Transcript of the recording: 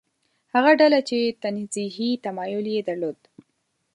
هغه ډله چې تنزیهي تمایل یې درلود.